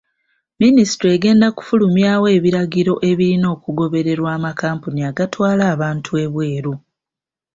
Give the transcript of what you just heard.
Minisitule egenda kufulumyawo ebiragiro ebirina okugobererwa amakampuni agatwala abantu ebweru.